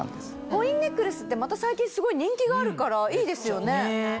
コインネックレスってまた最近すごい人気があるからいいですよね。